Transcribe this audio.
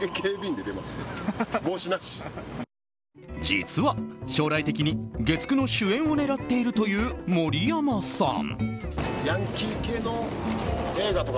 実は将来的に月９の主演を狙っているという、盛山さん。